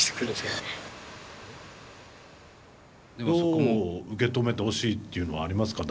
どう受け止めてほしいっていうのはありますか？